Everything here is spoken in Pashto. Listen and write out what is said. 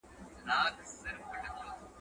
کله کله هم شاعر بې موضوع وي ,